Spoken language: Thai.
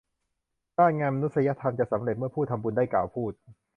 งานด้านมนุษยธรรมจะสำเร็จเมื่อผู้ทำบุญได้กล่าวพูด